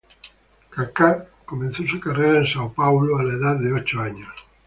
Kaká comenzó su carrera en São Paulo a la edad de ocho años.